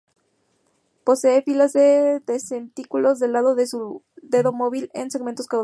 Posee filas de dentículos del lado de su dedo móvil con segmentos caudales.